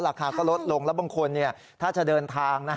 เพราะราคาก็ลดลงแล้วบางคนเนี่ยถ้าจะเดินทางนะ